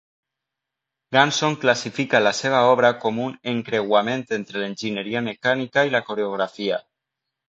Ganson classifica la seva obra com un encreuament entre l'enginyeria mecànica i la coreografia.